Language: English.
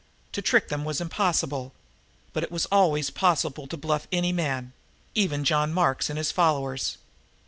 To trick them was impossible, but it was always possible to bluff any man even John Mark and his followers.